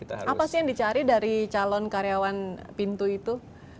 apa sih yang dicari dari calon karyawan pintu itu